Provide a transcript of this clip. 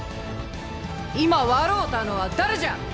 今笑うたのは誰じゃ！